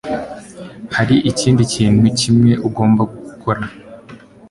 hari ikindi kintu kimwe ugomba gukora